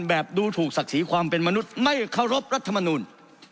แบบดูถูกศักดิ์ศรีความเป็นมนุษย์ไม่เคารพรัฐมนูล